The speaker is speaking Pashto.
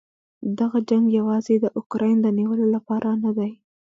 دغه جنګ یواځې د اوکراین د نیولو لپاره نه دی.